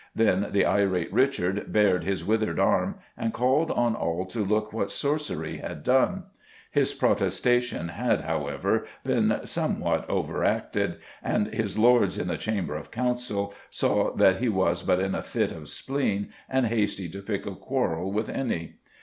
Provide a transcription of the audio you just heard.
Then the irate Richard bared his withered arm and called on all to look what sorcery had done. His protestation had, however, been somewhat overacted, and his lords in the Chamber of Council saw that he was but in a fit of spleen and hasty to pick a quarrel with any.